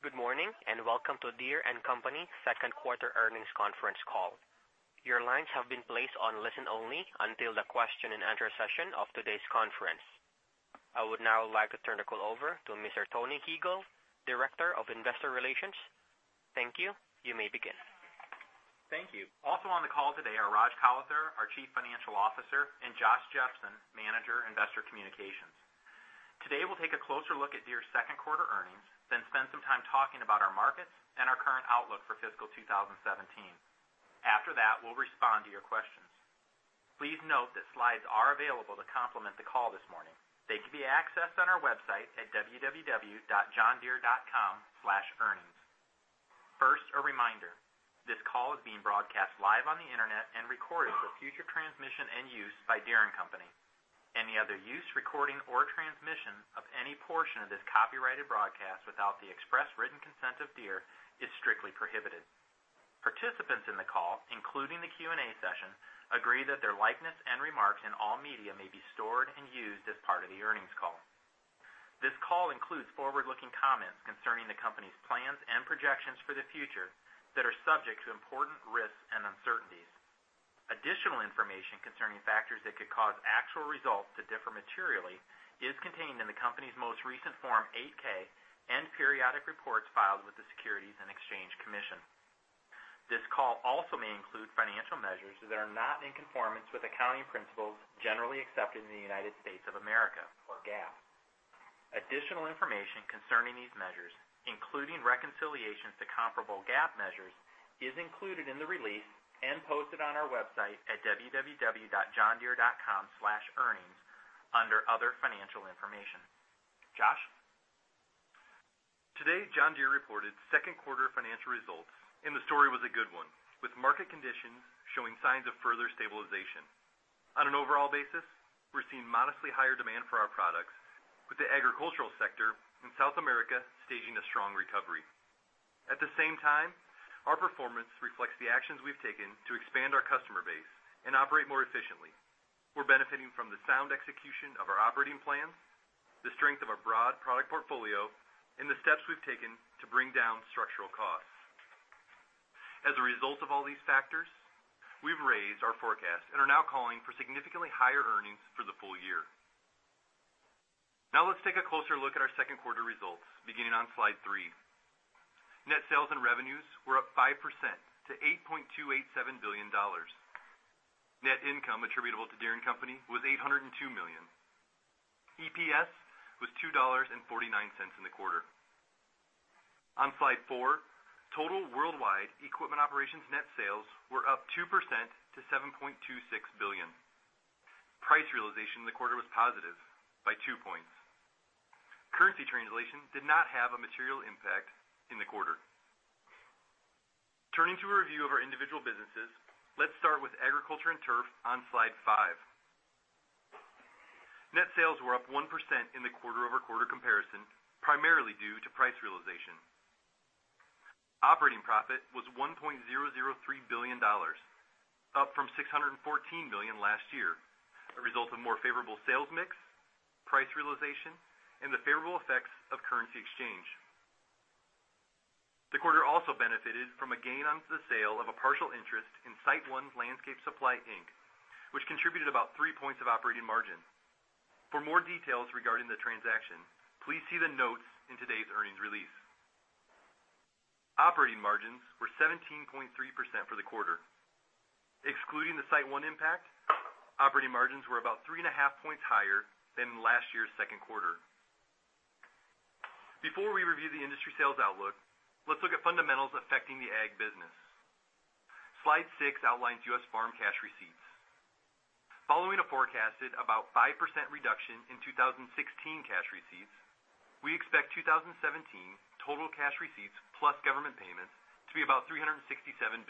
Good morning, welcome to Deere & Company second quarter earnings conference call. Your lines have been placed on listen only until the question and answer session of today's conference. I would now like to turn the call over to Mr. Tony Huegel, Director of Investor Relations. Thank you. You may begin. Thank you. Also on the call today are Rajesh Kalathur, our Chief Financial Officer, and Josh Jepsen, Manager, Investor Communications. Today, we'll take a closer look at Deere's second quarter earnings, spend some time talking about our markets and our current outlook for fiscal 2017. After that, we'll respond to your questions. Please note that slides are available to complement the call this morning. They can be accessed on our website at www.johndeere.com/earnings. First, a reminder, this call is being broadcast live on the internet and recorded for future transmission and use by Deere & Company. Any other use, recording, or transmission of any portion of this copyrighted broadcast without the express written consent of Deere is strictly prohibited. Participants in the call, including the Q&A session, agree that their likeness and remarks in all media may be stored and used as part of the earnings call. This call includes forward-looking comments concerning the company's plans and projections for the future that are subject to important risks and uncertainties. Additional information concerning factors that could cause actual results to differ materially is contained in the company's most recent Form 8-K and periodic reports filed with the Securities and Exchange Commission. This call also may include financial measures that are not in conformance with accounting principles generally accepted in the United States of America, or GAAP. Additional information concerning these measures, including reconciliations to comparable GAAP measures, is included in the release and posted on our website at www.johndeere.com/earnings under Other Financial Information. Josh? Today, John Deere reported second quarter financial results, the story was a good one, with market conditions showing signs of further stabilization. On an overall basis, we're seeing modestly higher demand for our products, with the agricultural sector in South America staging a strong recovery. At the same time, our performance reflects the actions we've taken to expand our customer base and operate more efficiently. We're benefiting from the sound execution of our operating plan, the strength of our broad product portfolio, and the steps we've taken to bring down structural costs. As a result of all these factors, we've raised our forecast and are now calling for significantly higher earnings for the full year. Let's take a closer look at our second quarter results beginning on slide three. Net sales and revenues were up 5% to $8.287 billion. Net income attributable to Deere & Company was $802 million. EPS was $2.49 in the quarter. On slide four, total worldwide equipment operations net sales were up 2% to $7.26 billion. Price realization in the quarter was positive by two points. Currency translation did not have a material impact in the quarter. Turning to a review of our individual businesses, let's start with agriculture and turf on slide five. Net sales were up 1% in the quarter-over-quarter comparison, primarily due to price realization. Operating profit was $1.003 billion, up from $614 million last year, a result of more favorable sales mix, price realization, and the favorable effects of currency exchange. The quarter also benefited from a gain on the sale of a partial interest in SiteOne Landscape Supply Inc, which contributed about three points of operating margin. For more details regarding the transaction, please see the notes in today's earnings release. Operating margins were 17.3% for the quarter. Excluding the SiteOne impact, operating margins were about three and a half points higher than last year's second quarter. Before we review the industry sales outlook, let's look at fundamentals affecting the ag business. Slide six outlines U.S. farm cash receipts. Following a forecasted about 5% reduction in 2016 cash receipts, we expect 2017 total cash receipts plus government payments to be about $367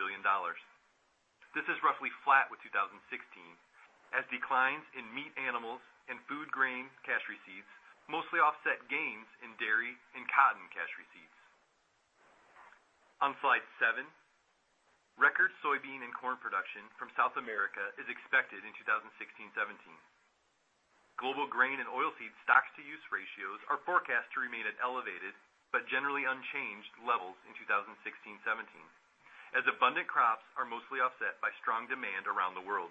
billion. This is roughly flat with 2016, as declines in meat animals and food grain cash receipts mostly offset gains in dairy and cotton cash receipts. On slide seven, record soybean and corn production from South America is expected in 2016/17. Global grain and oil seed stocks-to-use ratios are forecast to remain at elevated but generally unchanged levels in 2016/17, as abundant crops are mostly offset by strong demand around the world.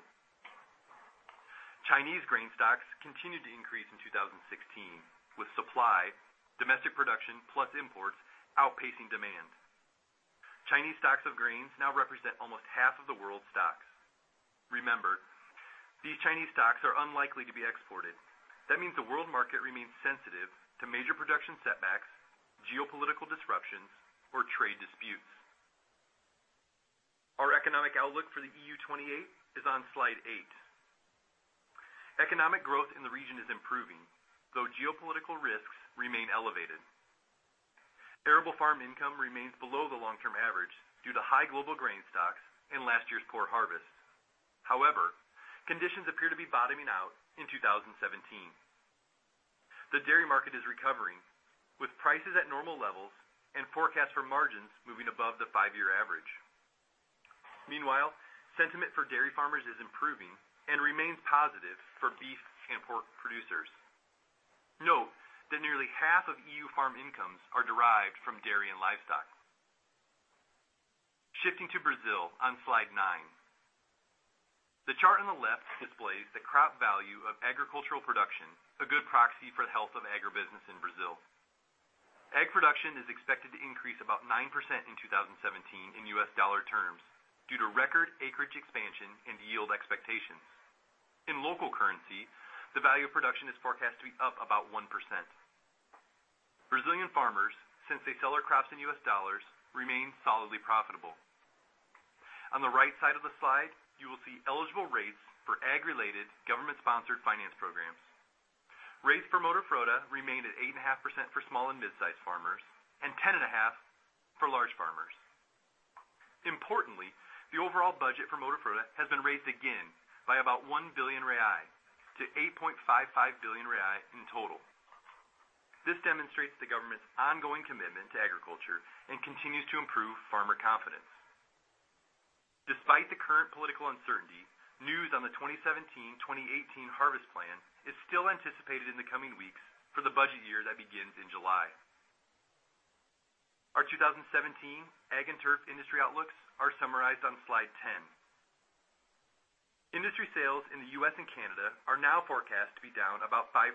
Chinese grain stocks continued to increase in 2016, with supply, domestic production plus imports outpacing demand. Chinese stocks of grains now represent almost half of the world's stocks. Remember, these Chinese stocks are unlikely to be exported. That means the world market remains sensitive to major production setbacks, geopolitical disruptions, or trade disputes. Our economic outlook for the EU 28 is on slide eight. Economic growth in the region is improving, though geopolitical risks remain elevated. Arable farm income remains below the long-term average due to high global grain stocks and last year's poor harvest. However, conditions appear to be bottoming out in 2017. The dairy market is recovering, with prices at normal levels and forecasts for margins moving above the five-year average. Meanwhile, sentiment for dairy farmers is improving and remains positive for beef and pork producers. Note that nearly half of EU farm incomes are derived from dairy and livestock. Shifting to Brazil on slide nine. The chart on the left displays the crop value of agricultural production, a good proxy for the health of agribusiness in Brazil. Ag production is expected to increase about 9% in 2017 in U.S. dollar terms due to record acreage expansion and yield expectations. In local currency, the value of production is forecast to be up about 1%. Brazilian farmers, since they sell their crops in U.S. dollars, remain solidly profitable. On the right side of the slide, you will see eligible rates for ag-related government-sponsored finance programs. Rates for Pronaf remained at 8.5% for small and mid-size farmers and 10.5% for large farmers. Importantly, the overall budget for Pronaf has been raised again by about 1 billion to 8.55 billion in total. This demonstrates the government's ongoing commitment to agriculture and continues to improve farmer confidence. Despite the current political uncertainty, news on the 2017-2018 harvest plan is still anticipated in the coming weeks for the budget year that begins in July. Our 2017 ag and turf industry outlooks are summarized on slide 10. Industry sales in the U.S. and Canada are now forecast to be down about 5%,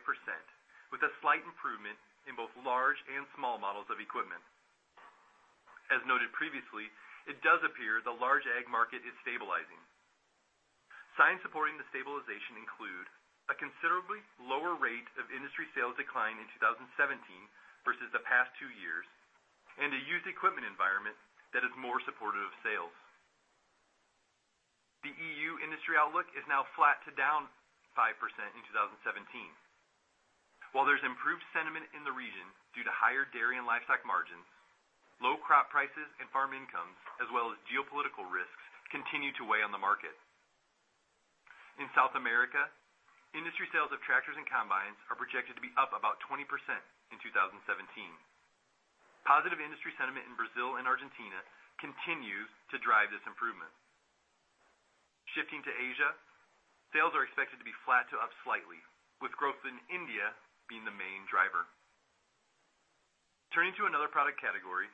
with a slight improvement in both large and small models of equipment. As noted previously, it does appear the large ag market is stabilizing. Signs supporting the stabilization include a considerably lower rate of industry sales decline in 2017 versus the past two years, and a used equipment environment that is more supportive of sales. The EU industry outlook is now flat to down 5% in 2017. While there's improved sentiment in the region due to higher dairy and livestock margins, low crop prices and farm incomes, as well as geopolitical risks, continue to weigh on the market. In South America, industry sales of tractors and combines are projected to be up about 20% in 2017. Positive industry sentiment in Brazil and Argentina continues to drive this improvement. Shifting to Asia, sales are expected to be flat to up slightly, with growth in India being the main driver. Turning to another product category,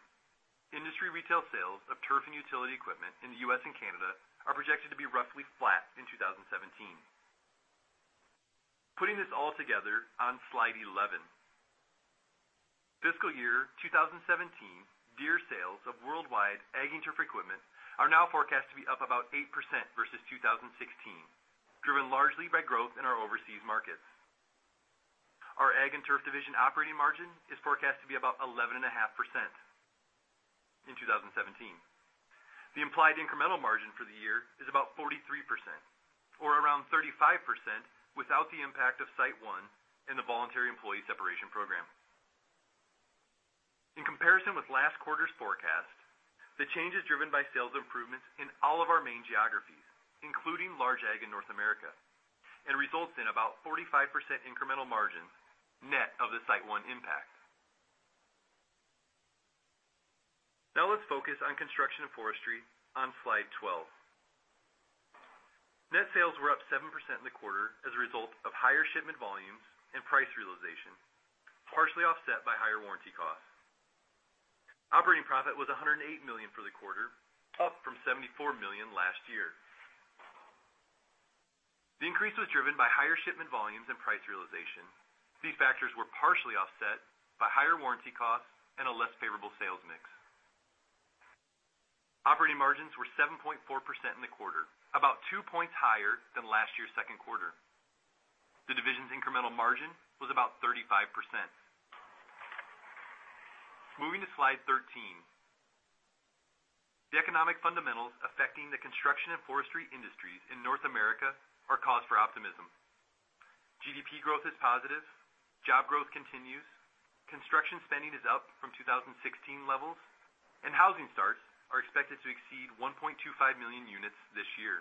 industry retail sales of turf and utility equipment in the U.S. and Canada are projected to be roughly flat in 2017. Putting this all together on slide 11. Fiscal year 2017 Deere sales of worldwide ag and turf equipment are now forecast to be up about 8% versus 2016, driven largely by growth in our overseas markets. Our ag and turf division operating margin is forecast to be about 11.5% in 2017. The implied incremental margin for the year is about 43%, or around 35% without the impact of SiteOne and the voluntary employee separation program. In comparison with last quarter's forecast, the change is driven by sales improvements in all of our main geographies, including large ag in North America, and results in about 45% incremental margin net of the SiteOne impact. Now let's focus on Construction & Forestry on slide 12. Net sales were up 7% in the quarter as a result of higher shipment volumes and price realization, partially offset by higher warranty costs. Operating profit was $108 million for the quarter, up from $74 million last year. The increase was driven by higher shipment volumes and price realization. These factors were partially offset by higher warranty costs and a less favorable sales mix. Operating margins were 7.4% in the quarter, about two points higher than last year's second quarter. The division's incremental margin was about 35%. Moving to slide 13. The economic fundamentals affecting the Construction & Forestry industries in North America are cause for optimism. GDP growth is positive. Job growth continues. Construction spending is up from 2016 levels, and housing starts are expected to exceed 1.25 million units this year.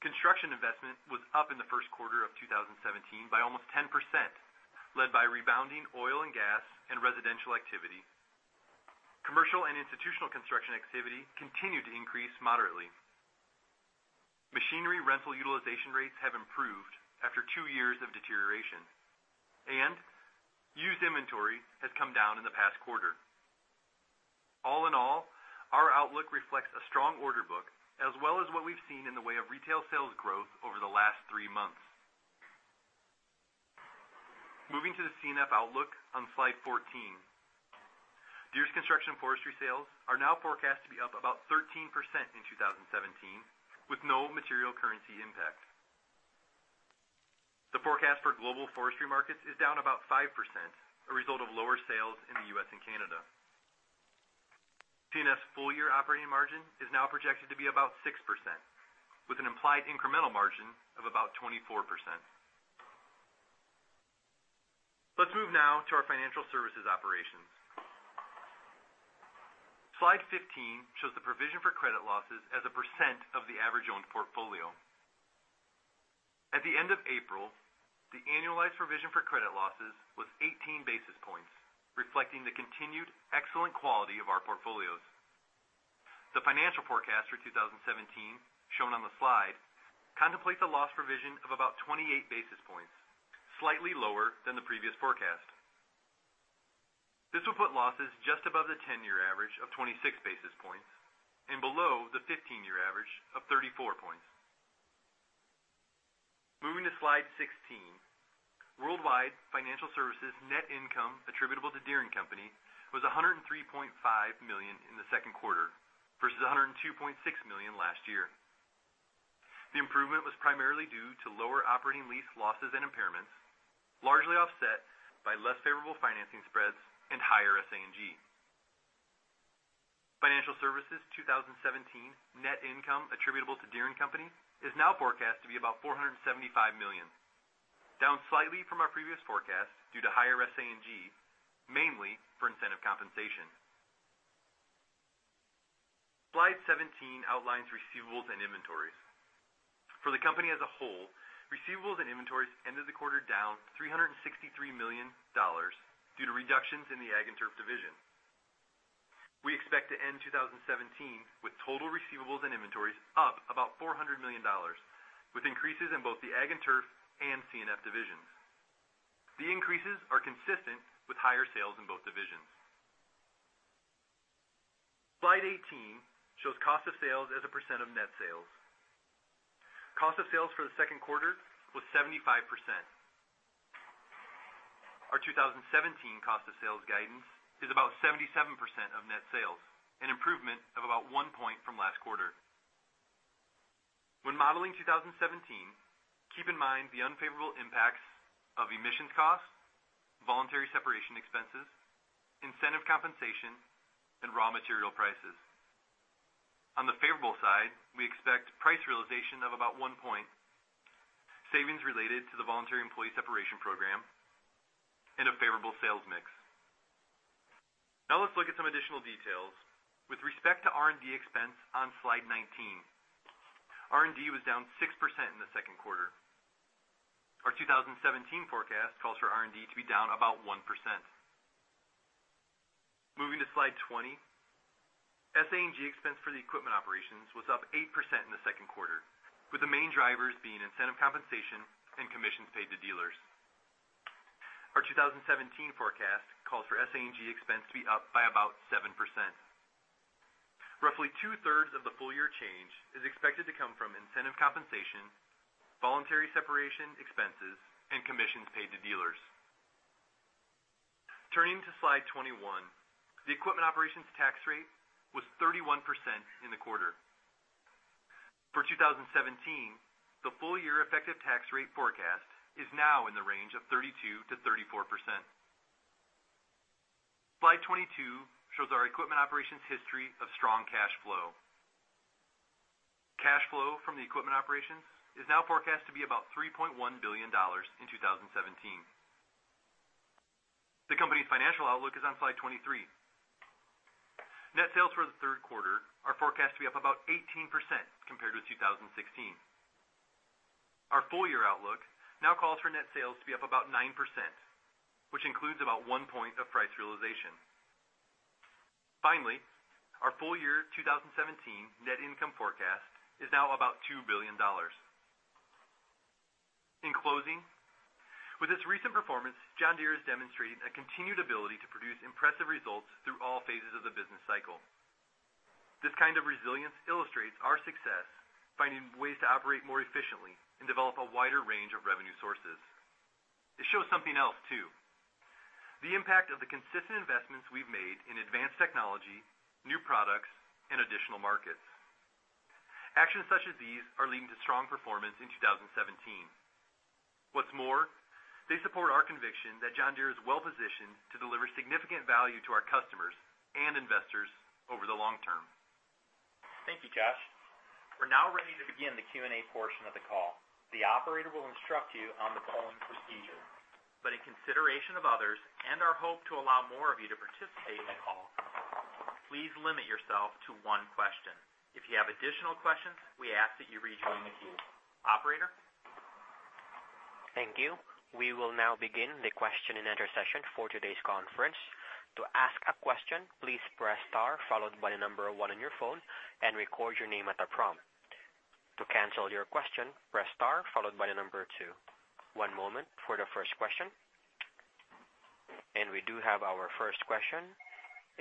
Construction investment was up in the first quarter of 2017 by almost 10%, led by rebounding oil and gas and residential activity. Commercial and institutional construction activity continued to increase moderately. Machinery rental utilization rates have improved after two years of deterioration, and used inventory has come down in the past quarter. All in all, our outlook reflects a strong order book, as well as what we've seen in the way of retail sales growth over the last three months. Moving to the C&F outlook on Slide 14. Deere's Construction & Forestry sales are now forecast to be up about 13% in 2017 with no material currency impact. The forecast for global forestry markets is down about 5%, a result of lower sales in the U.S. and Canada. C&F's full-year operating margin is now projected to be about 6%, with an implied incremental margin of about 24%. Let's move now to our financial services operations. Slide 15 shows the provision for credit losses as a percent of the average owned portfolio. At the end of April, the annualized provision for credit losses was 18 basis points, reflecting the continued excellent quality of our portfolios. The financial forecast for 2017, shown on the slide, contemplates a loss provision of about 28 basis points, slightly lower than the previous forecast. This will put losses just above the 10-year average of 26 basis points and below the 15-year average of 34 points. Moving to Slide 16. Worldwide Financial Services net income attributable to Deere & Company was $103.5 million in the second quarter versus $102.6 million last year. The improvement was primarily due to lower operating lease losses and impairments, largely offset by less favorable financing spreads and higher SA&G. Financial Services 2017 net income attributable to Deere & Company is now forecast to be about $475 million, down slightly from our previous forecast due to higher SA&G, mainly for incentive compensation. Slide 17 outlines receivables and inventories. For the company as a whole, receivables and inventories ended the quarter down $363 million due to reductions in the Ag and Turf division. We expect to end 2017 with total receivables and inventories up about $400 million, with increases in both the Ag and Turf and C&F divisions. The increases are consistent with higher sales in both divisions. Slide 18 shows cost of sales as a percent of net sales. Cost of sales for the second quarter was 75%. Our 2017 cost of sales guidance is about 77% of net sales, an improvement of about one point from last quarter. When modeling 2017, keep in mind the unfavorable impacts of emissions costs, voluntary separation expenses, incentive compensation, and raw material prices. On the favorable side, we expect price realization of about one point, savings related to the voluntary employee separation program, and a favorable sales mix. Now let's look at some additional details. With respect to R&D expense on Slide 19, R&D was down 6% in the second quarter. Our 2017 forecast calls for R&D to be down about 1%. Moving to Slide 20. SA&G expense for the equipment operations was up 8% in the second quarter, with the main drivers being incentive compensation and commissions paid to dealers. Our 2017 forecast calls for SA&G expense to be up by about 7%. Roughly two-thirds of the full-year change is expected to come from incentive compensation, voluntary separation expenses, and commissions paid to dealers. Turning to Slide 21. The equipment operations tax rate was 31% in the quarter. For 2017, the full-year effective tax rate forecast is now in the range of 32%-34%. Slide 22 shows our equipment operations history of strong cash flow. Cash flow from the equipment operations is now forecast to be about $3.1 billion in 2017. The company's financial outlook is on Slide 23. Net sales for the third quarter are forecast to be up about 18% compared to 2016. Our full-year outlook now calls for net sales to be up about 9%, which includes about one point of price realization. Finally, our full-year 2017 net income forecast is now about $2 billion. In closing, with its recent performance, John Deere has demonstrated a continued ability to produce impressive results through all phases of the business cycle. This kind of resilience illustrates our success finding ways to operate more efficiently and develop a wider range of revenue sources. It shows something else, too. The impact of the consistent investments we've made in advanced technology, new products, and additional markets. Actions such as these are leading to strong performance in 2017. What's more, they support our conviction that John Deere is well-positioned to deliver significant value to our customers and investors over the long term. Thank you, Josh. We're now ready to begin the Q&A portion of the call. The operator will instruct you on the calling procedure. In consideration of others and our hope to allow more of you to participate in the call, please limit yourself to one question. If you have additional questions, we ask that you rejoin the queue. Operator? Thank you. We will now begin the question and answer session for today's conference. To ask a question, please press star followed by the number one on your phone and record your name at the prompt. To cancel your question, press star followed by the number two. One moment for the first question. We do have our first question.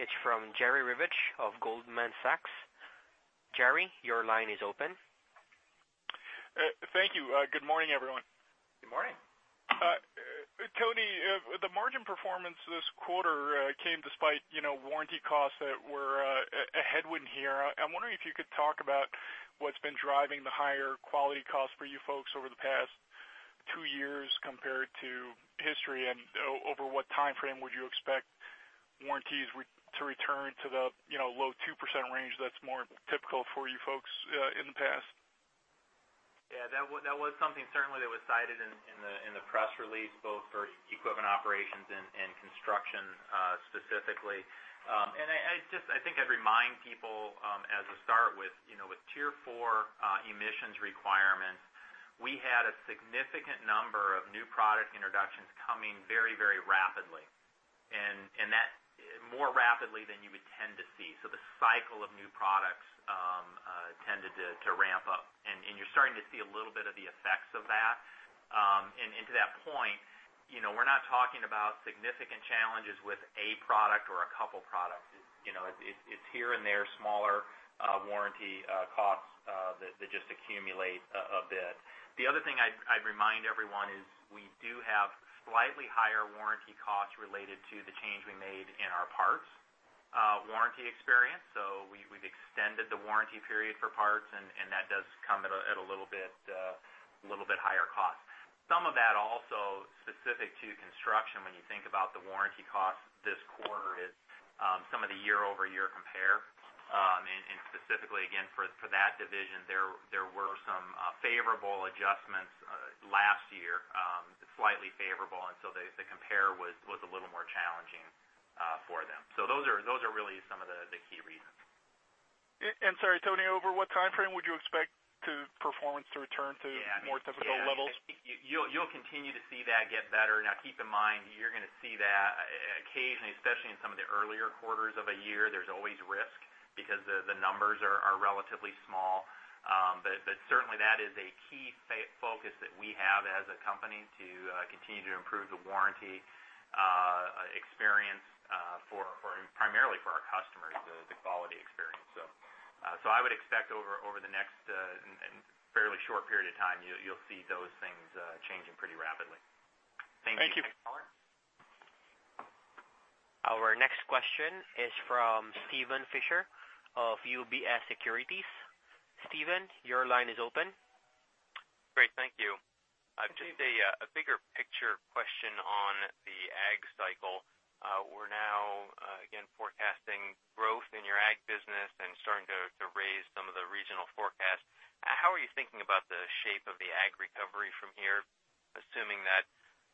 It's from Jerry Revich of Goldman Sachs. Jerry, your line is open. Thank you. Good morning, everyone. Good morning. Tony, the margin performance this quarter came despite warranty costs that were a headwind here. I'm wondering if you could talk about what's been driving the higher quality costs for you folks over the past two years compared to history, and over what time frame would you expect warranties to return to the low 2% range that's more typical for you folks in the past? Yeah, that was something certainly that was cited in the press release, both for equipment operations and construction specifically. I think I'd remind people as a start with Tier 4 emissions requirements, we had a significant number of new product introductions coming very, very rapidly. That more rapidly than you would tend to see. The cycle of new products tended to ramp up, and you're starting to see a little bit of the effects of that. To that point, we're not talking about significant challenges with a product or a couple products. It's here and there, smaller warranty costs that just accumulate a bit. The other thing I'd remind everyone is we do have slightly higher warranty costs related to the change we made in our parts warranty experience. We've extended the warranty period for parts, that does come at a little bit higher cost. Some of that also specific to construction, when you think about the warranty cost this quarter is some of the year-over-year compare. Specifically, again, for that division, there were some favorable adjustments last year, slightly favorable, the compare was a little more challenging for them. Those are really some of the key reasons. Sorry, Tony, over what timeframe would you expect performance to return to more typical levels? Yeah. I think you'll continue to see that get better. Now, keep in mind, you're going to see that occasionally, especially in some of the earlier quarters of a year, there's always risk because the numbers are relatively small. Certainly, that is a key focus that we have as a company to continue to improve the warranty experience primarily for our customers, the quality experience. I would expect over the next fairly short period of time, you'll see those things changing pretty rapidly. Thank you. Next caller. Our next question is from Steven Fisher of UBS Securities. Steven, your line is open. Great. Thank you. Just a bigger picture question on the ag cycle. We're now again forecasting growth in your ag business and starting to raise some of the regional forecasts. How are you thinking about the shape of the ag recovery from here, assuming that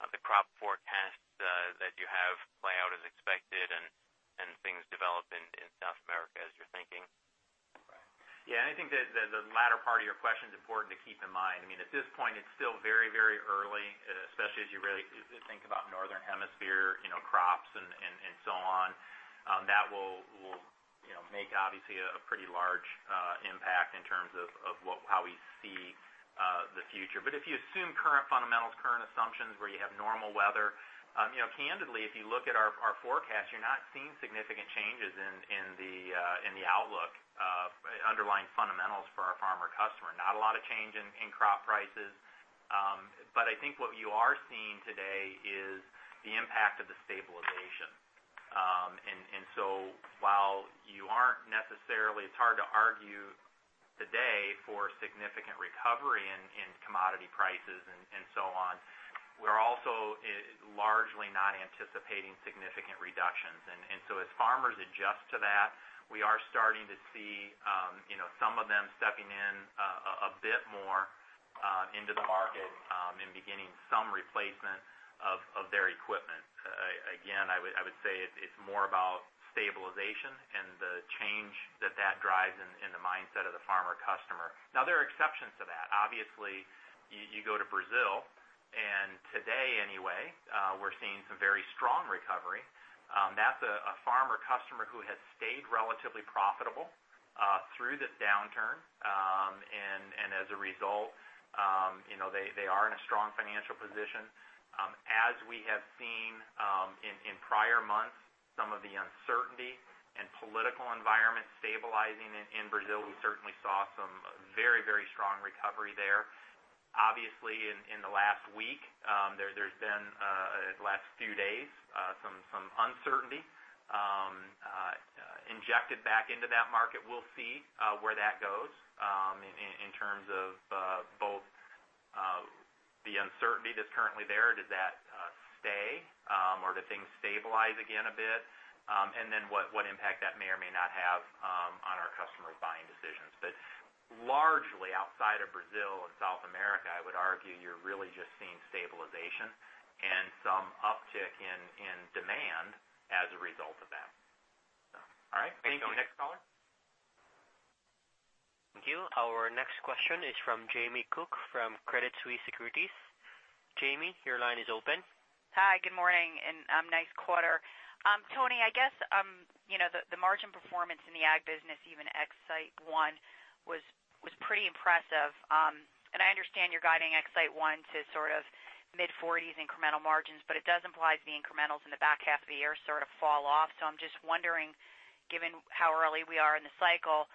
the crop forecasts that you have play out as expected and things develop in South America as you're thinking? Yeah. I think that the latter part of your question is important to keep in mind. I mean, at this point, it's still very early, especially as you really think about Northern Hemisphere crops and so on. That will make obviously a pretty large impact in terms of how we see the future. If you assume current fundamentals, current assumptions, where you have normal weather. Candidly, if you look at our forecast, you're not seeing significant changes in the outlook underlying fundamentals for our farmer customer. Not a lot of change in crop prices. I think what you are seeing today is the impact of the stabilization. So while you aren't necessarily, it's hard to argue today for significant recovery in commodity prices and so on, we're also largely not anticipating significant reductions. As farmers adjust to that, we are starting to see some of them stepping in a bit more into the market, and beginning some replacement of their equipment. Again, I would say it's more about stabilization and the change that that drives in the mindset of the farmer customer. There are exceptions to that. You go to Brazil, and today anyway, we're seeing some very strong recovery. That's a farmer customer who has stayed relatively profitable through this downturn. As a result, they are in a strong financial position. As we have seen in prior months, some of the uncertainty and political environment stabilizing in Brazil. We certainly saw some very strong recovery there. In the last week, last few days, some uncertainty injected back into that market. We'll see where that goes in terms of both the uncertainty that's currently there. Does that stay? Do things stabilize again a bit? What impact that may or may not have on our customers' buying decisions. Largely outside of Brazil and South America, I would argue you're really just seeing stabilization and some uptick in demand as a result of that. All right. Thank you. Next caller. Thank you. Our next question is from Jamie Cook from Credit Suisse Securities. Jamie, your line is open. Hi, good morning, and nice quarter. Tony, I guess, the margin performance in the ag business, even ex SiteOne, was pretty impressive. I understand you're guiding ex SiteOne to sort of mid-40s incremental margins, but it does imply the incrementals in the back half of the year sort of fall off. I'm just wondering, given how early we are in the cycle,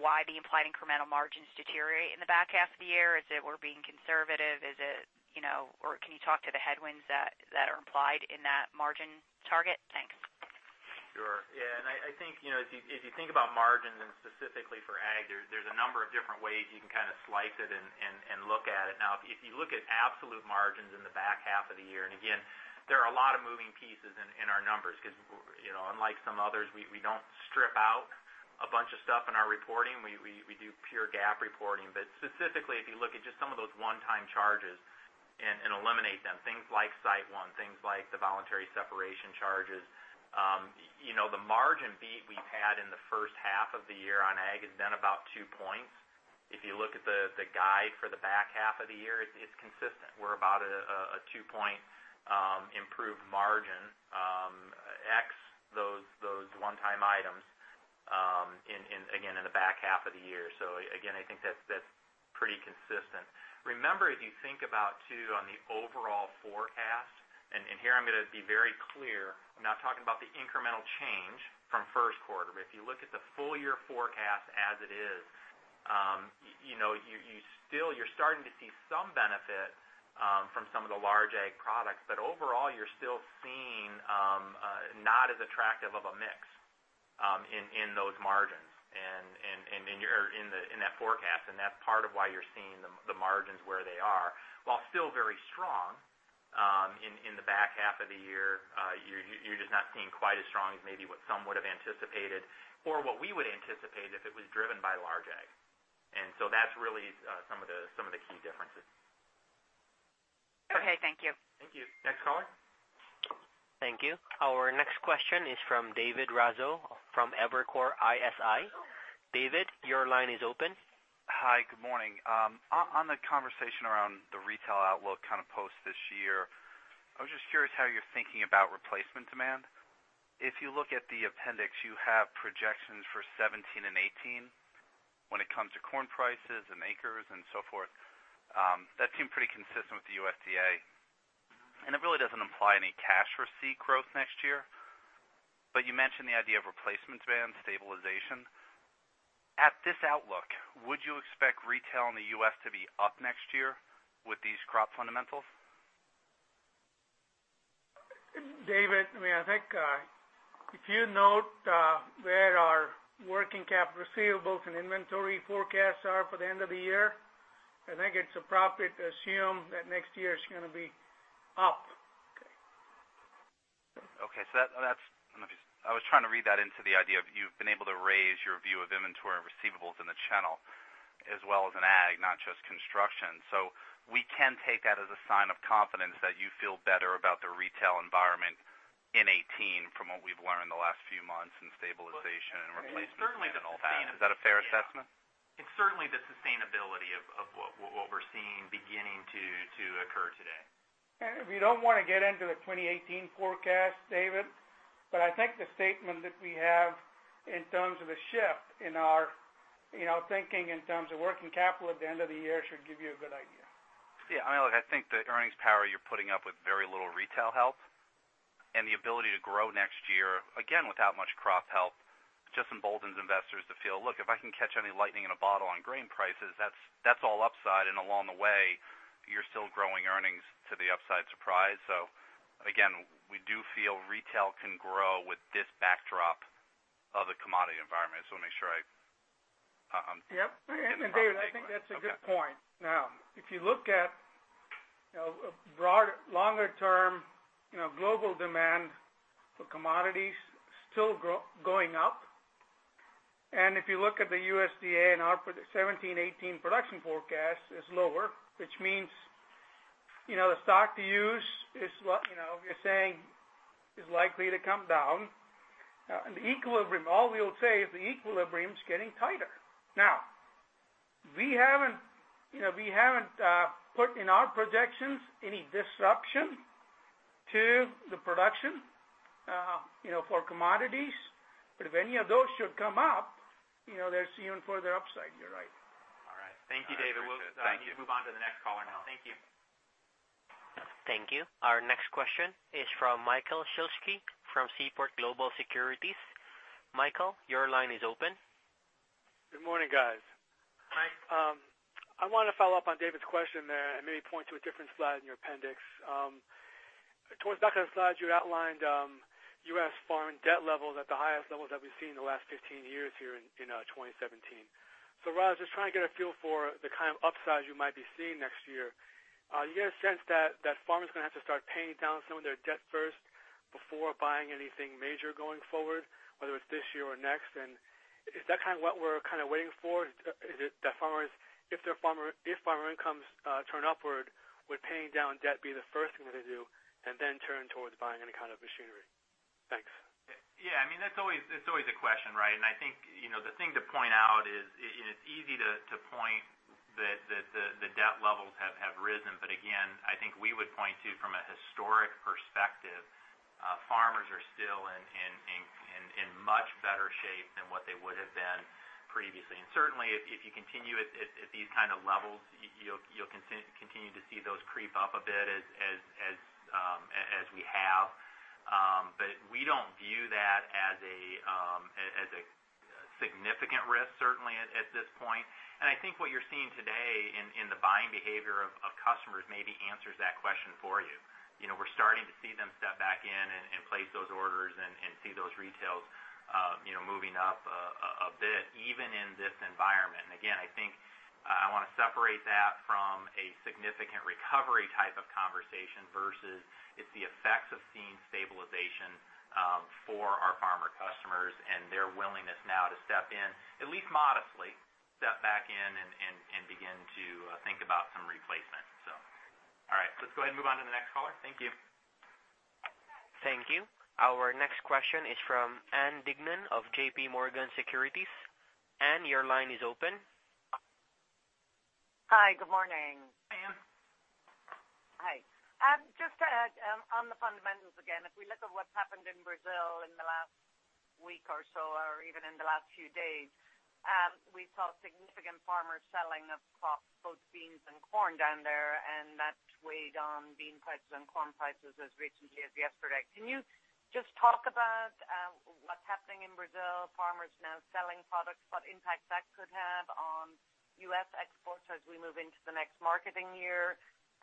why the implied incremental margins deteriorate in the back half of the year. Is it we're being conservative? Can you talk to the headwinds that are implied in that margin target? Thanks. Sure. Yeah. I think, if you think about margins and specifically for ag, there's a number of different ways you can kind of slice it and look at it. If you look at absolute margins in the back half of the year, there are a lot of moving pieces in our numbers because unlike some others, we don't strip out a bunch of stuff in our reporting. We do pure GAAP reporting. Specifically, if you look at just some of those one-time charges and eliminate them, things like SiteOne, things like the voluntary separation charge Margin beat we've had in the first half of the year on ag has been about two points. If you look at the guide for the back half of the year, it's consistent. We're about a two-point improved margin, ex those one-time items, in the back half of the year. I think that's pretty consistent. Remember, if you think about too, on the overall forecast, and here I'm going to be very clear, I'm not talking about the incremental change from first quarter. If you look at the full-year forecast as it is, you're starting to see some benefit from some of the large ag products, but overall, you're still seeing not as attractive of a mix in those margins and in that forecast. That's part of why you're seeing the margins where they are. While still very strong in the back half of the year, you're just not seeing quite as strong as maybe what some would've anticipated or what we would anticipate if it was driven by large ag. That's really some of the key differences. Okay, thank you. Thank you. Next caller. Thank you. Our next question is from David Raso from Evercore ISI. David, your line is open. Hi, good morning. On the conversation around the retail outlook post this year, I was just curious how you're thinking about replacement demand. If you look at the appendix, you have projections for 2017 and 2018 when it comes to corn prices and acres and so forth. That seemed pretty consistent with the USDA. It really doesn't imply any cash receipt growth next year. You mentioned the idea of replacement demand stabilization. At this outlook, would you expect retail in the U.S. to be up next year with these crop fundamentals? David, I think if you note where our working capital receivables and inventory forecasts are for the end of the year, I think it's appropriate to assume that next year is going to be up. Okay. I was trying to read that into the idea of you've been able to raise your view of inventory and receivables in the channel as well as in ag, not just construction. We can take that as a sign of confidence that you feel better about the retail environment in 2018 from what we've learned in the last few months in stabilization and replacement demand and all that. Is that a fair assessment? It's certainly the sustainability of what we're seeing beginning to occur today. We don't want to get into a 2018 forecast, David. I think the statement that we have in terms of a shift in our thinking in terms of working capital at the end of the year should give you a good idea. Yeah. I think the earnings power you're putting up with very little retail help and the ability to grow next year, again, without much crop help, just emboldens investors to feel, look, if I can catch any lightning in a bottle on grain prices, that's all upside. Along the way, you're still growing earnings to the upside surprise. Again, we do feel retail can grow with this backdrop of the commodity environment. Yep. David, I think that's a good point. If you look at longer-term global demand for commodities still going up, and if you look at the USDA and our 2017, 2018 production forecast is lower, which means the stocks-to-use is you're saying is likely to come down. All we'll say is the equilibrium is getting tighter. We haven't put in our projections any disruption to the production for commodities. If any of those should come up, there's even further upside. You're right. All right. Thank you, David. All right. Appreciate it. Thank you. We'll move on to the next caller now. Thank you. Thank you. Our next question is from Michael Shlisky from Seaport Global Securities. Michael, your line is open. Good morning, guys. Hi. I wanted to follow up on David's question there and maybe point to a different slide in your appendix. Towards the back of the slides, you outlined U.S. farm debt levels at the highest levels that we've seen in the last 15 years here in 2017. Raj, just trying to get a feel for the kind of upsides you might be seeing next year. Do you get a sense that farmers are going to have to start paying down some of their debt first before buying anything major going forward, whether it's this year or next? Is that what we're waiting for? If farmer incomes turn upward, would paying down debt be the first thing that they do and then turn towards buying any kind of machinery? Thanks. Yeah. It's always a question, right? I think the thing to point out is it's easy to point that the debt levels have risen. Again, I think we would point to, from a historic perspective, farmers are still in much better shape than what they would have been previously. Certainly, if you continue at these kind of levels, you'll continue to see those creep up a bit as we have. We don't view that as a significant risk, certainly at this point. I think what you're seeing today in the buying behavior of customers maybe answers that question for you. We're starting to see them step back in and place those orders and see those retails moving up a bit even in this environment. Again, I think I want to separate that from a significant recovery type of conversation versus it's the effects of seeing stabilization for our farmer customers and their willingness now to step in, at least modestly step back in and begin to think about some replacement. Let's go ahead and move on to the next caller. Thank you. Thank you. Our next question is from Ann Duignan of J.P. Morgan Securities. Ann, your line is open. Hi, good morning. Hi, Ann. Hi. Just to add on the fundamentals again, if we look at what's happened in Brazil in the last week or so, or even in the last few days, we saw significant farmer selling of crops, both beans and corn down there, and that weighed on bean prices and corn prices as recently as yesterday. Can you just talk about what's happening in Brazil, farmers now selling products, what impact that could have on U.S. exports as we move into the next marketing year,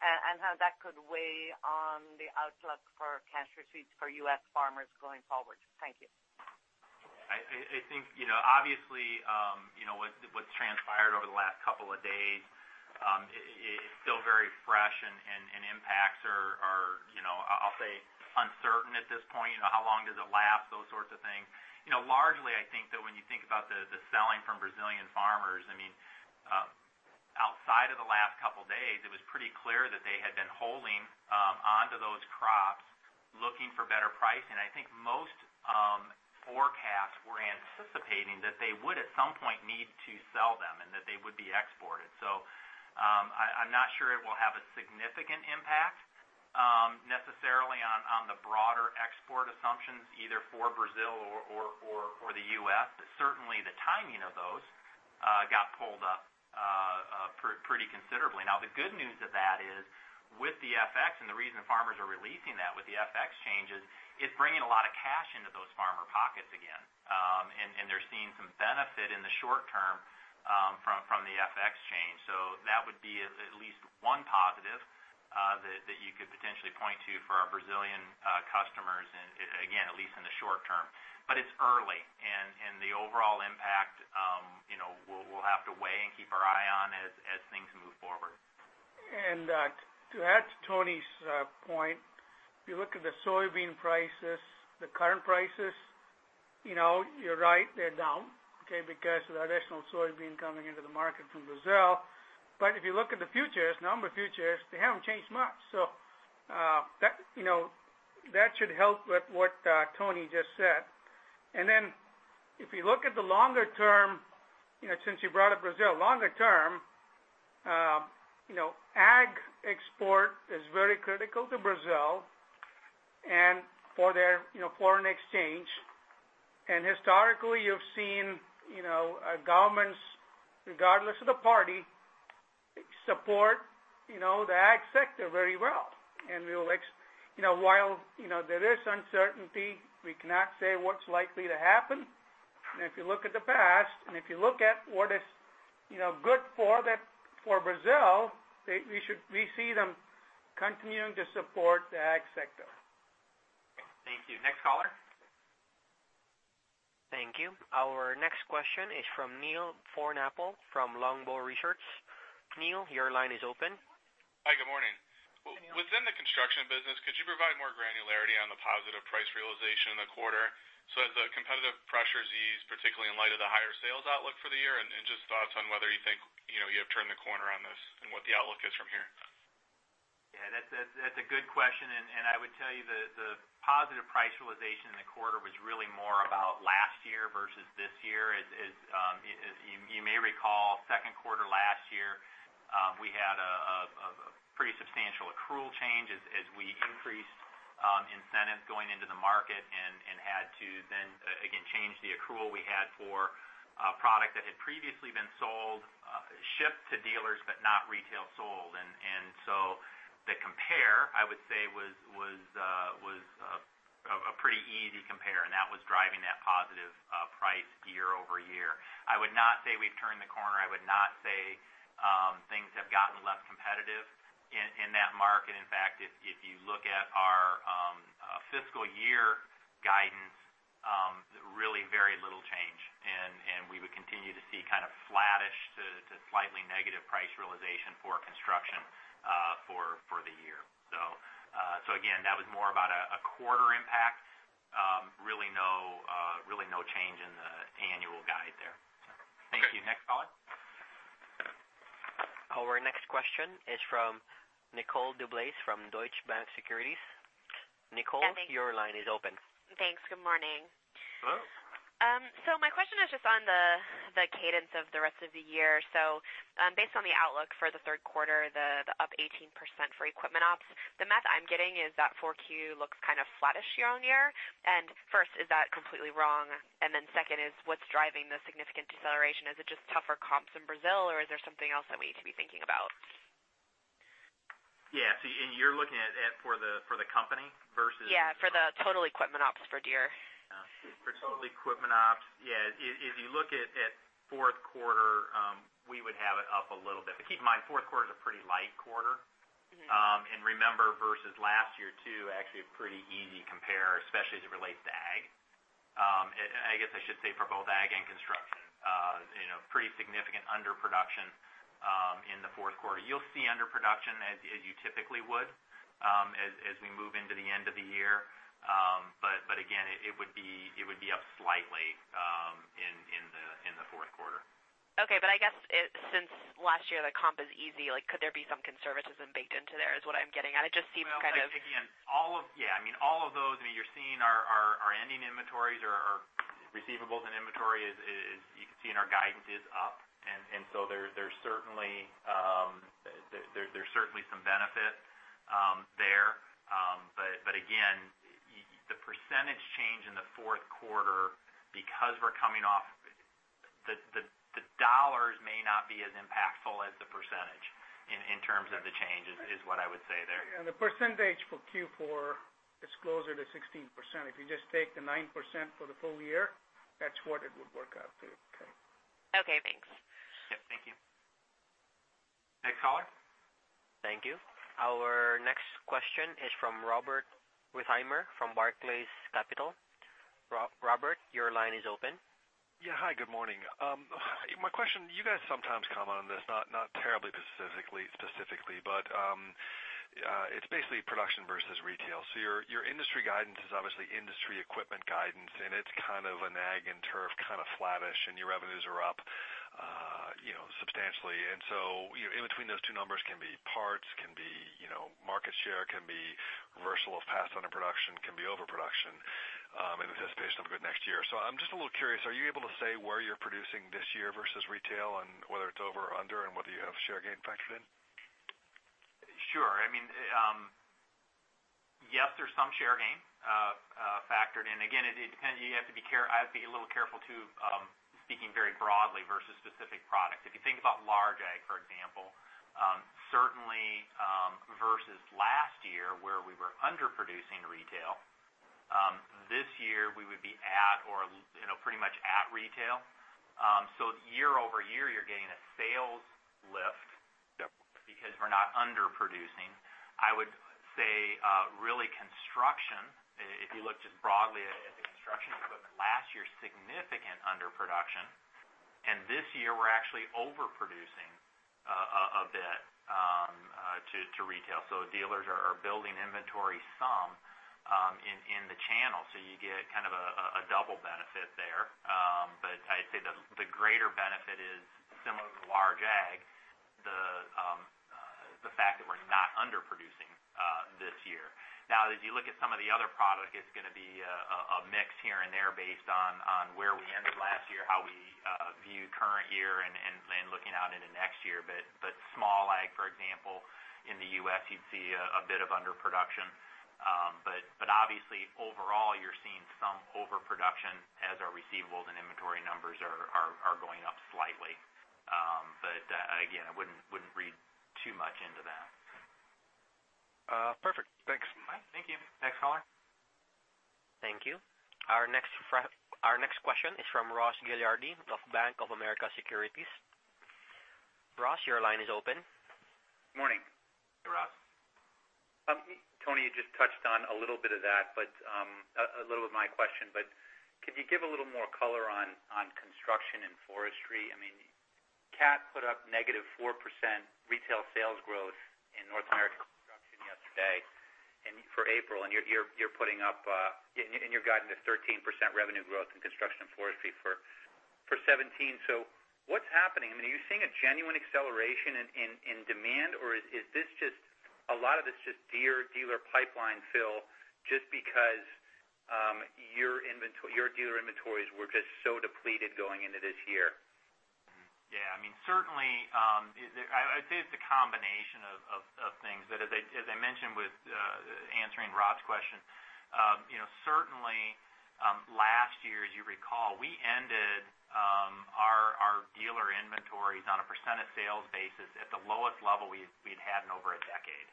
and how that could weigh on the outlook for cash receipts for U.S. farmers going forward? Thank you. I think, obviously, what's transpired over the last couple of days, it's still very fresh and impacts are, I'll say, uncertain at this point. How long does it last? Those sorts of things. Largely, I think that when you think about the selling from Brazilian farmers, outside of the last couple of days, it was pretty clear that they had been holding onto those crops, looking for better pricing. I think most forecasts were anticipating that they would, at some point, need to sell them, and that they would be exported. I'm not sure it will have a significant impact necessarily on the broader export assumptions, either for Brazil or the U.S. Certainly, the timing of those got pulled up pretty considerably. The good news of that is, with the FX, and the reason farmers are releasing that with the FX changes, it's bringing a lot of cash into those farmer pockets again. They're seeing some benefit in the short term from the FX change. That would be at least one positive that you could potentially point to for our Brazilian customers, and again, at least in the short term. It's early, and the overall impact, we'll have to weigh and keep our eye on as things move forward. To add to Tony's point, if you look at the soybean prices, the current prices, you're right, they're down, okay, because of the additional soybean coming into the market from Brazil. If you look at the futures, number of futures, they haven't changed much. That should help with what Tony just said. If you look at the longer term, since you brought up Brazil, longer term, ag export is very critical to Brazil and for their foreign exchange. Historically, you've seen governments, regardless of the party, support the ag sector very well. While there is uncertainty, we cannot say what's likely to happen. If you look at the past, and if you look at what is good for Brazil, we see them continuing to support the ag sector. Thank you. Next caller? Thank you. Our next question is from Neil Frohnapple from Longbow Research. Neil, your line is open. Hi, good morning. Hi, Neil. Within the construction business, could you provide more granularity on the positive price realization in the quarter so that the competitive pressures ease, particularly in light of the higher sales outlook for the year? Just thoughts on whether you think you have turned the corner on this and what the outlook is from here. Yeah, that's a good question. I would tell you the positive price realization in the quarter was really more about last year versus this year. As you may recall, second quarter last year, we had a pretty substantial accrual change as we increased incentives going into the market and had to then again change the accrual we had for a product that had previously been sold, shipped to dealers, but not retail sold. So the compare, I would say, was a pretty easy compare. That was driving that positive price year-over-year. I would not say we've turned the corner. I would not say things have gotten less competitive in that market. In fact, if you look at our fiscal year guidance, really very little change. We would continue to see flattish to slightly negative price realization for construction for the year. Again, that was more about a quarter impact. Really no change in the annual guide there. Okay. Thank you. Next caller? Our next question is from Nicole DeBlase from Deutsche Bank Securities. Nicole. Hi. Your line is open. Thanks. Good morning. Hello. My question is just on the cadence of the rest of the year. Based on the outlook for the third quarter, the up 18% for equipment ops, the math I'm getting is that 4Q looks kind of flattish year-on-year. First, is that completely wrong? Second is, what's driving the significant deceleration? Is it just tougher comps in Brazil, or is there something else that we need to be thinking about? Yeah. You're looking at it for the company versus- Yeah, for the total equipment ops for Deere. For total equipment ops. Yeah. If you look at fourth quarter, we would have it up a little bit. Keep in mind, fourth quarter's a pretty light quarter. Remember, versus last year too, actually a pretty easy compare, especially as it relates to ag. I guess I should say for both ag and construction. Pretty significant underproduction in the fourth quarter. You'll see underproduction as you typically would year. Again, it would be up slightly in the fourth quarter. Okay. I guess since last year the comp is easy, could there be some conservatism baked into there, is what I'm getting at? Well, again, all of those, you're seeing our ending inventories, our receivables and inventory, as you can see in our guidance, is up. There's certainly some benefit there. Again, the percentage change in the fourth quarter, because we're coming off, the dollars may not be as impactful as the percentage in terms of the change, is what I would say there. Yeah. The percentage for Q4 is closer to 16%. If you just take the 9% for the full year, that's what it would work out to. Okay, thanks. Yep, thank you. Next caller. Thank you. Our next question is from Robert Wertheimer from Barclays Capital. Robert, your line is open. Yeah. Hi, good morning. My question, you guys sometimes comment on this, not terribly specifically, but it's basically production versus retail. Your industry guidance is obviously industry equipment guidance, and it's kind of an ag and turf kind of flattish, and your revenues are up substantially. In between those two numbers can be parts, can be market share, can be reversal of paths under production, can be overproduction, in anticipation of a good next year. I'm just a little curious, are you able to say where you're producing this year versus retail, and whether it's over or under, and whether you have share gain factored in? Sure. Yes, there's some share gain factored in. Again, I have to be a little careful too, speaking very broadly versus specific products. If you think about large ag, for example, certainly versus last year where we were underproducing retail, this year we would be at or pretty much at retail. year-over-year, you're getting a sales lift. Yep Because we're not underproducing. I would say, really construction, if you look just broadly at the construction equipment, last year significant underproduction. This year we're actually overproducing a bit to retail. Dealers are building inventory some in the channel. You get kind of a double benefit there. I'd say the greater benefit is similar to large ag, the fact that we're not underproducing this year. As you look at some of the other product, it's going to be a mix here and there based on where we ended last year, how we view current year and looking out into next year. Small ag, for example, in the U.S., you'd see a bit of underproduction. Obviously overall you're seeing some overproduction as our receivables and inventory numbers are going up slightly. Again, I wouldn't read too much into that. Perfect. Thanks. All right. Thank you. Next caller. Thank you. Our next question is from Ross Gilardi of Bank of America Securities. Ross, your line is open. Morning. Hey, Ross. Tony, you just touched on a little bit of my question, but could you give a little more color on Construction & Forestry? Caterpillar put up -4% retail sales growth in North America construction yesterday and for April. You're putting up in your guidance 13% revenue growth in Construction & Forestry for 2017. What's happening? Are you seeing a genuine acceleration in demand, or is a lot of this just Deere dealer pipeline fill just because your dealer inventories were just so depleted going into this year? Certainly, I'd say it's a combination of things that, as I mentioned with answering Rob's question. Certainly last year, as you recall, we ended our dealer inventories on a percentage sales basis at the lowest level we'd had in over a decade.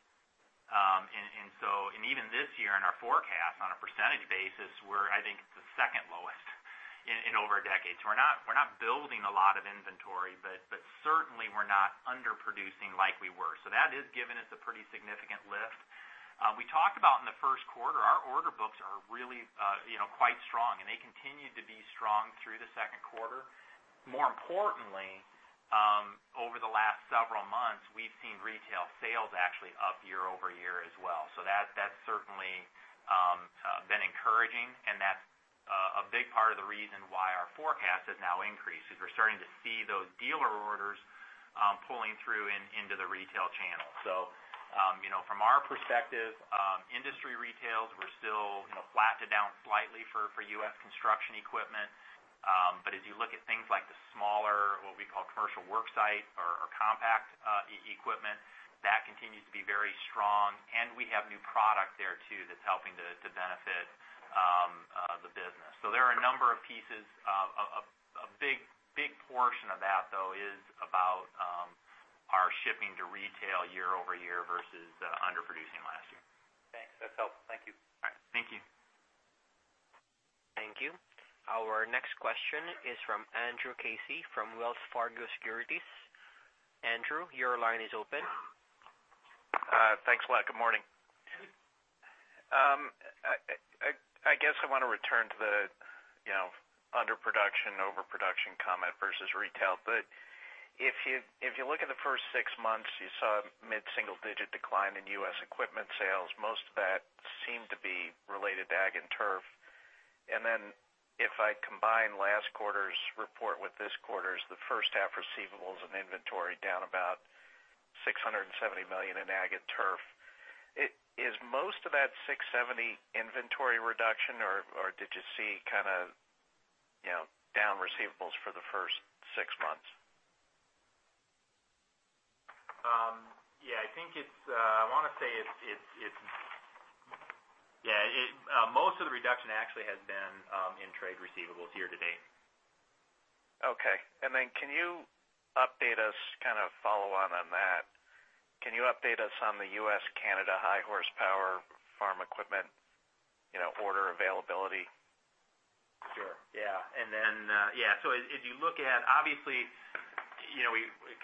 Even this year in our forecast, on a percentage basis, we're, I think, the second lowest in over a decade. We're not building a lot of inventory, but certainly we're not underproducing like we were. That is giving us a pretty significant lift. We talked about in the first quarter, our order books are really quite strong, and they continued to be strong through the second quarter. More importantly, over the last several months, we've seen retail sales actually up year-over-year as well. That's certainly been encouraging, and that's a big part of the reason why our forecast has now increased, is we're starting to see those dealer orders pulling through into the retail channel. From our perspective, industry retails, we're still flatted down slightly for U.S. construction equipment. As you look at things like the smaller, what we call commercial work site or compact equipment, that continues to be very strong, and we have new product there too that's helping to benefit the business. There are a number of pieces. A big portion of that, though, is about our shipping to retail year-over-year versus underproducing last year. Thanks. That's helpful. Thank you. All right. Thank you. Thank you. Our next question is from Andrew Casey from Wells Fargo Securities. Andrew, your line is open. Thanks a lot. Good morning. I guess I want to return to the underproduction, overproduction comment versus retail. If you look at the first six months, you saw a mid-single-digit decline in U.S. equipment sales. Most of that seemed to be related to ag and turf. If I combine last quarter's report with this quarter's, the first half receivables and inventory down about $670 million in ag and turf. Is most of that $670 inventory reduction or did you see down receivables for the first six months? Yeah. Most of the reduction actually has been in trade receivables year-to-date. Okay. Can you update us, kind of follow on that? Can you update us on the U.S.-Canada high horsepower farm equipment order availability? Sure. Yeah. If you look at, obviously,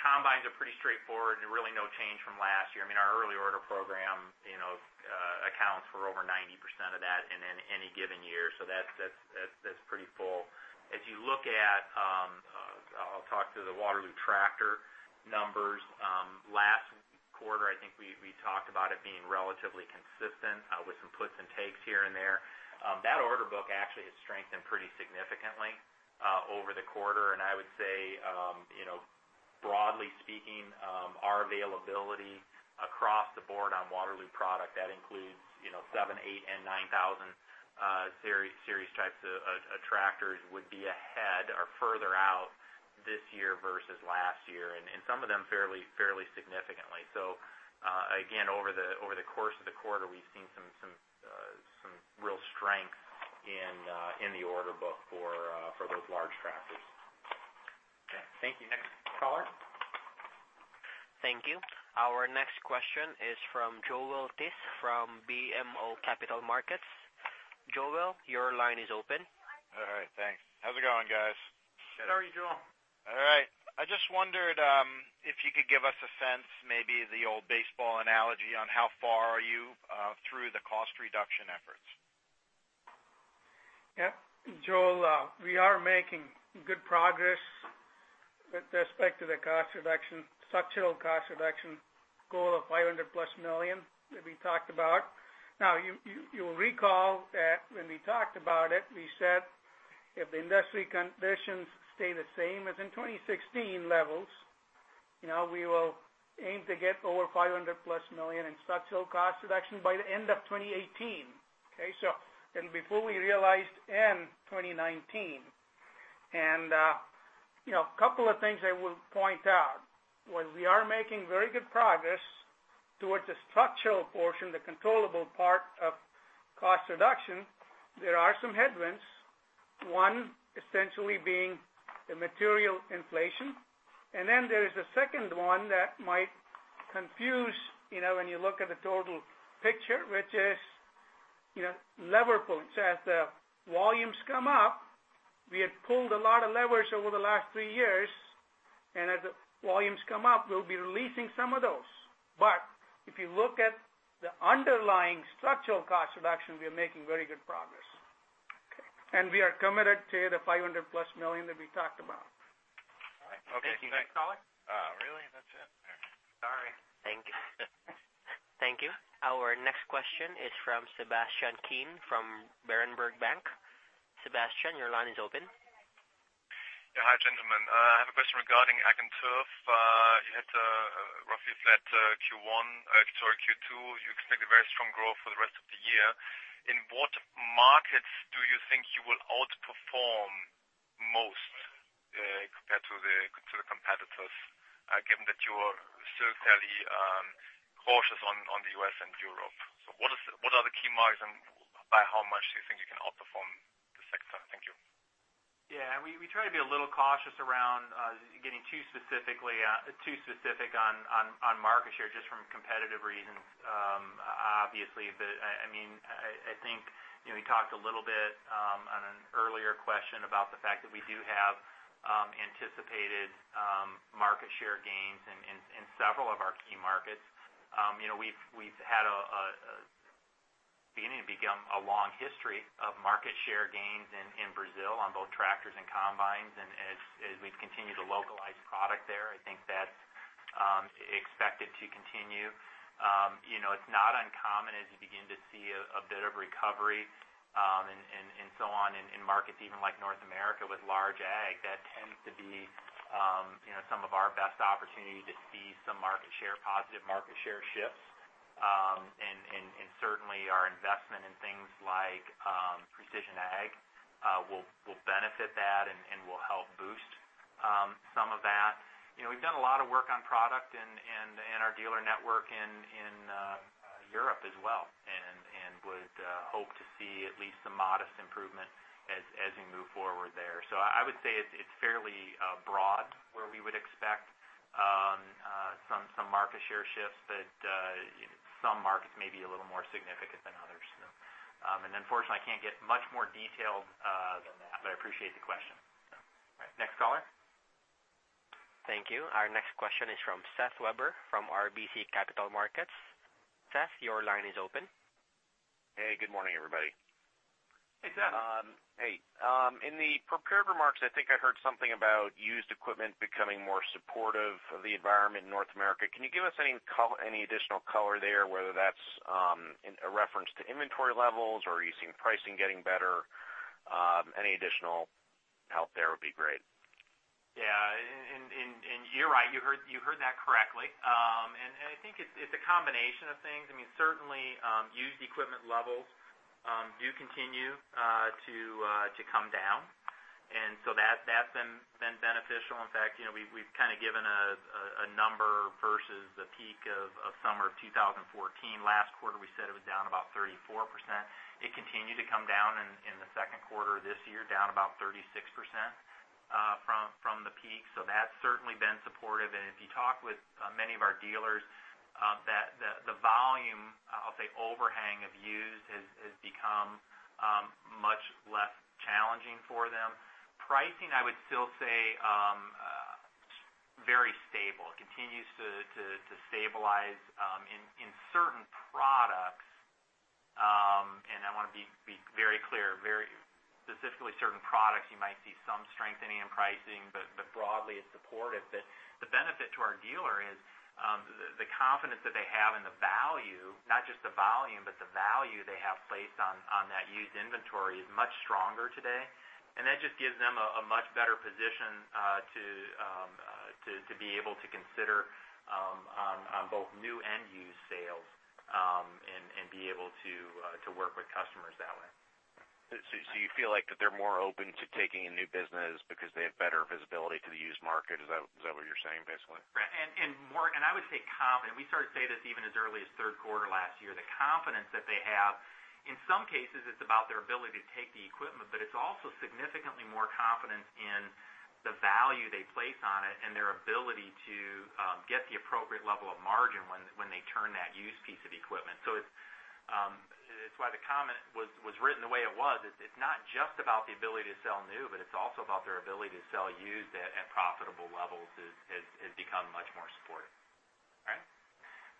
combines are pretty straightforward and really no change from last year. Our early order program accounts for over 90% of that in any given year. That's pretty full. As you look at, I'll talk to the Waterloo tractor numbers. Last quarter, I think we talked about it being relatively consistent with some puts and takes here and there. That order book actually has strengthened pretty significantly over the quarter. I would say, broadly speaking, our availability across the board on Waterloo product, that includes 7,000, 8,000, and 9000 series types of tractors would be ahead or further out this year versus last year, and some of them fairly significantly. Again, over the course of the quarter, we've seen some real strength in the order book for those large tractors. Okay. Thank you. Next caller. Thank you. Our next question is from Joel Tiss from BMO Capital Markets. Joel, your line is open. All right. Thanks. How's it going, guys? How are you, Joel? All right. I just wondered if you could give us a sense, maybe the old baseball analogy on how far are you through the cost reduction efforts. Joel, we are making good progress with respect to the structural cost reduction goal of $500-plus million that we talked about. Now, you'll recall that when we talked about it, we said if the industry conditions stay the same as in 2016 levels, we will aim to get over $500-plus million in structural cost reduction by the end of 2018, okay, before we realized end 2019. A couple of things I will point out. While we are making very good progress towards the structural portion, the controllable part of cost reduction, there are some headwinds. One essentially being the material inflation. Then there is a second one that might confuse when you look at the total picture, which is lever pull. As the volumes come up, we had pulled a lot of levers over the last three years, and as the volumes come up, we will be releasing some of those. If you look at the underlying structural cost reduction, we are making very good progress. Okay. We are committed to the $500-plus million that we talked about. All right. Thank you. Next caller? Oh, really? That's it? All right. Sorry. Thank you. Our next question is from Sebastian Bray from Berenberg Bank. Sebastian, your line is open. Hi, gentlemen. I have a question regarding Ag and Turf. You had a roughly flat Q1, sorry, Q2. You expect a very strong growth for the rest of the year. In what markets do you think you will outperform most compared to the competitors, given that you are still fairly cautious on the U.S. and Europe? What are the key markets and by how much do you think you can outperform the sector? Thank you. We try to be a little cautious around getting too specific on market share, just from competitive reasons, obviously. I think we talked a little bit on an earlier question about the fact that we do have anticipated market share gains in several of our key markets. We've had a beginning to become a long history of market share gains in Brazil on both tractors and combines. As we've continued to localize product there, I think that's expected to continue. It's not uncommon as you begin to see a bit of recovery and so on in markets even like North America with large ag, that tends to be some of our best opportunity to see some positive market share shifts. Certainly our investment in things like precision ag will benefit that and will help boost some of that. We've done a lot of work on product and our dealer network in Europe as well and would hope to see at least a modest improvement as we move forward there. I would say it's fairly broad where we would expect some market share shifts, but some markets may be a little more significant than others. Unfortunately, I can't get much more detailed than that, but I appreciate the question. All right. Next caller. Thank you. Our next question is from Seth Weber from RBC Capital Markets. Seth, your line is open. Hey, good morning, everybody. Hey, Seth. Hey. In the prepared remarks, I think I heard something about used equipment becoming more supportive of the environment in North America. Can you give us any additional color there, whether that's in a reference to inventory levels or are you seeing pricing getting better? Any additional help there would be great. Yeah, you're right. You heard that correctly. I think it's a combination of things. Certainly, used equipment levels do continue to come down. That's been beneficial. In fact, we've kind of given a number versus a peak of summer of 2014. Last quarter, we said it was down about 34%. It continued to come down in the second quarter of this year, down about 36% from the peak. That's certainly been supportive. If you talk with many of our dealers, the volume, I'll say, overhang of used has become much less challenging for them. Pricing, I would still say, very stable. It continues to stabilize in certain products. I want to be very clear, very specifically certain products you might see some strengthening in pricing, but broadly it's supportive. The benefit to our dealer is the confidence that they have in the value, not just the volume, but the value they have placed on that used inventory is much stronger today. That just gives them a much better position to be able to consider on both new and used sales, and be able to work with customers that way. You feel like that they're more open to taking in new business because they have better visibility to the used market? Is that what you're saying, basically? Right. More, I would say confident. We started to say this even as early as third quarter last year. The confidence that they have, in some cases, it's about their ability to take the equipment, but it's also significantly more confidence in the value they place on it and their ability to get the appropriate level of margin when they turn that used piece of equipment. It's why the comment was written the way it was. It's not just about the ability to sell new, but it's also about their ability to sell used at profitable levels has become much more supportive. All right?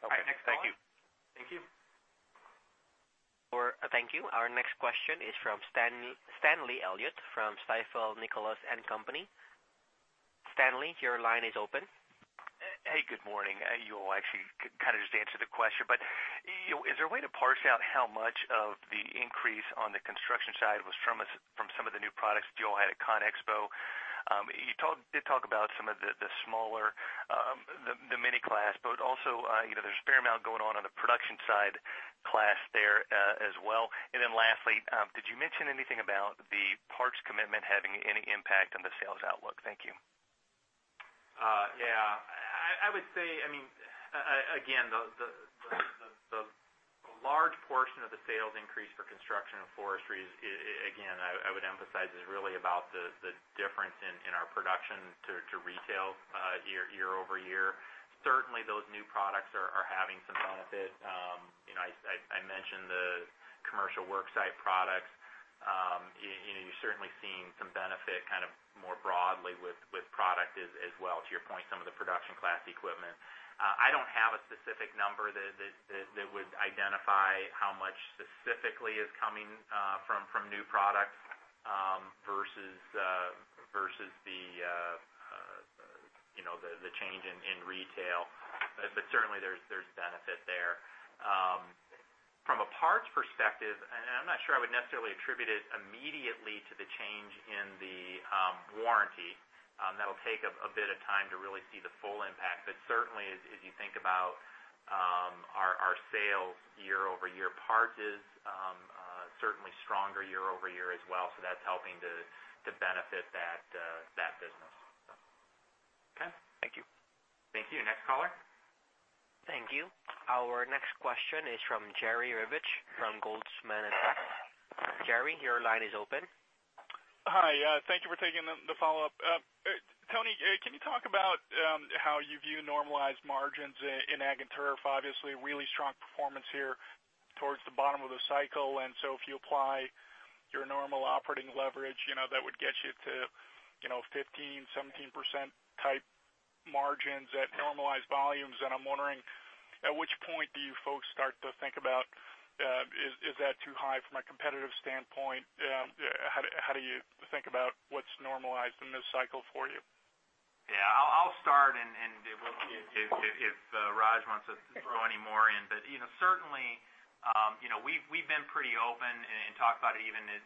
Okay. Thank you. Thank you. Thank you. Our next question is from Stanley Elliott from Stifel, Nicolaus & Company. Stanley, your line is open. Hey, good morning. You all actually kind of just answered the question. Is there a way to parse out how much of the increase on the construction side was from some of the new products you all had at CONEXPO? You did talk about some of the smaller, the mini class, also there's a fair amount going on on the production side class there as well. Lastly, did you mention anything about the parts commitment having any impact on the sales outlook? Thank you. Yeah. I would say, again, the large portion of the sales increase for Construction & Forestry, again, I would emphasize, is really about the difference in our production to retail year-over-year. Certainly, those new products are having some benefit. I mentioned the commercial worksite products. You're certainly seeing some benefit kind of more broadly with product as well, to your point, some of the production class equipment. I don't have a specific number that would identify how much specifically is coming from new products versus the change in retail. Certainly, there's benefit there. From a parts perspective, I'm not sure I would necessarily attribute it immediately to the change in the warranty. That'll take a bit of time to really see the full impact. Certainly, as you think about our sales year-over-year, parts is certainly stronger year-over-year as well. That's helping to benefit that business. Okay. Thank you. Thank you. Next caller. Thank you. Our next question is from Jerry Revich from Goldman Sachs. Jerry, your line is open. Hi. Thank you for taking the follow-up. Tony, can you talk about how you view normalized margins in Ag and Turf? Obviously, really strong performance here towards the bottom of the cycle. If you apply your normal operating leverage, that would get you to 15%-17%-type margins at normalized volumes. I'm wondering at which point do you folks start to think about, is that too high from a competitive standpoint? How do you think about what's normalized in this cycle for you? Yeah, I'll start and if Raj wants to throw any more in. Certainly, we've been pretty open and talked about it even as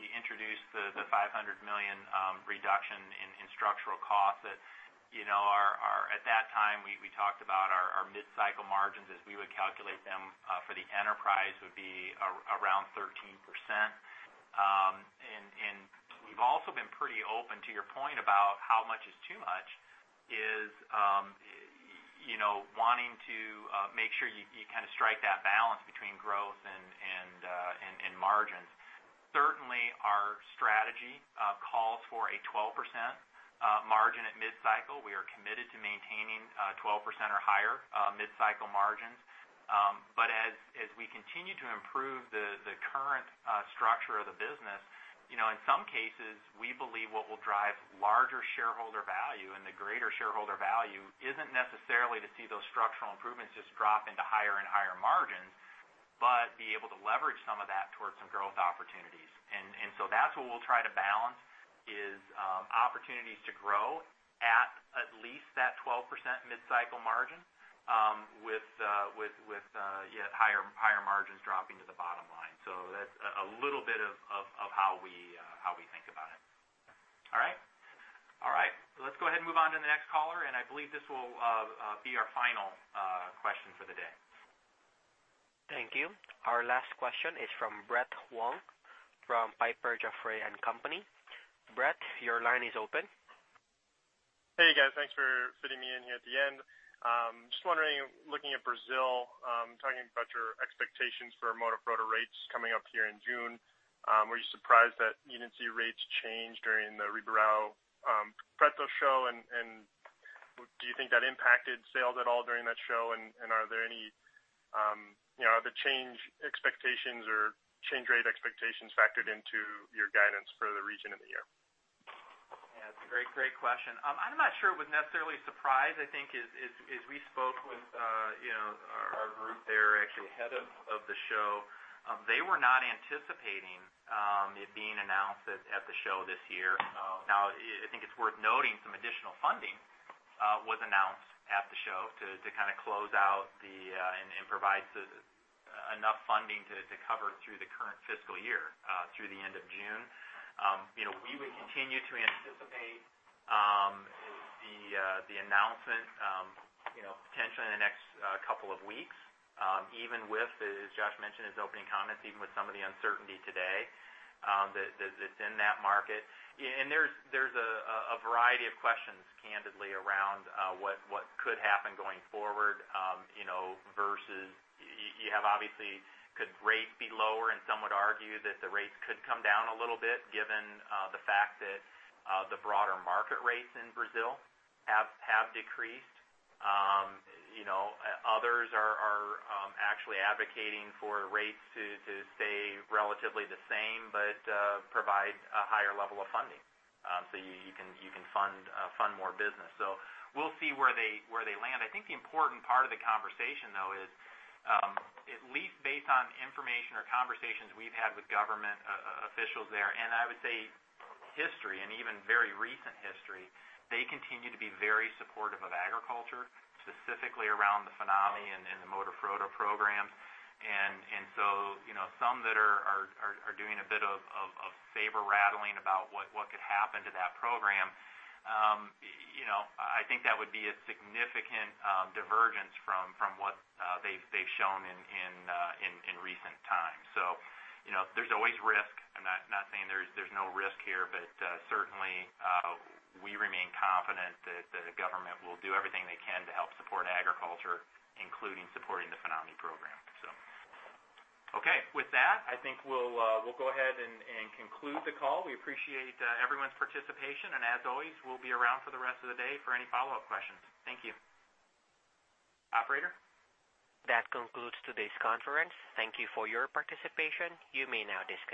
we introduced the $500 million reduction in structural costs that at that time, we talked about our mid-cycle margins as we would calculate them for the enterprise would be around 13%. We've also been pretty open, to your point about how much is too much, is wanting to make sure you kind of strike that balance between growth and margins. Certainly, our strategy calls for a 12% margin at mid-cycle. 12% or higher mid-cycle margins. As we continue to improve the current structure of the business, in some cases, we believe what will drive larger shareholder value and the greater shareholder value isn't necessarily to see those structural improvements just drop into higher and higher margins, but be able to leverage some of that towards some growth opportunities. That's what we'll try to balance is opportunities to grow at least that 12% mid-cycle margin, with higher margins dropping to the bottom line. That's a little bit of how we think about it. All right. All right. Let's go ahead and move on to the next caller, and I believe this will be our final question for the day. Thank you. Our last question is from Brett Wong from Piper Jaffray and Company. Ann, your line is open. Hey, guys. Thanks for fitting me in here at the end. Just wondering, looking at Brazil, talking about your expectations for Moderfrota rates coming up here in June, were you surprised that you didn't see rates change during the Ribeirão Preto show, and do you think that impacted sales at all during that show? Are there any other change expectations or change rate expectations factored into your guidance for the region in the year? That's a great question. I'm not sure it was necessarily a surprise. I think as we spoke with our group there actually ahead of the show. They were not anticipating it being announced at the show this year. Now, I think it's worth noting some additional funding was announced at the show to kind of close out and provide enough funding to cover through the current fiscal year through the end of June. We would continue to anticipate the announcement, potentially in the next couple of weeks. Even with, as Josh mentioned in his opening comments, even with some of the uncertainty today that's in that market. There's a variety of questions, candidly, around what could happen going forward, versus you have obviously, could rates be lower, and some would argue that the rates could come down a little bit given the fact that the broader market rates in Brazil have decreased. Others are actually advocating for rates to stay relatively the same but provide a higher level of funding. You can fund more business. We'll see where they land. I think the important part of the conversation, though, is at least based on information or conversations we've had with government officials there, and I would say history and even very recent history, they continue to be very supportive of agriculture, specifically around the FINAME and the Moderfrota programs. Some that are doing a bit of saber-rattling about what could happen to that program. I think that would be a significant divergence from what they've shown in recent times. There's always risk. I'm not saying there's no risk here, but certainly, we remain confident that the government will do everything they can to help support agriculture, including supporting the FINAME program. Okay. With that, I think we'll go ahead and conclude the call. We appreciate everyone's participation, and as always, we'll be around for the rest of the day for any follow-up questions. Thank you. Operator? That concludes today's conference. Thank you for your participation. You may now disconnect.